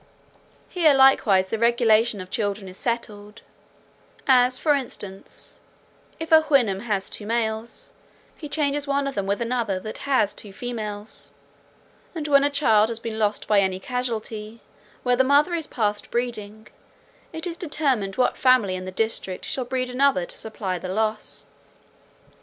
Here likewise the regulation of children is settled: as for instance, if a Houyhnhnm has two males, he changes one of them with another that has two females; and when a child has been lost by any casualty, where the mother is past breeding, it is determined what family in the district shall breed another to supply the loss.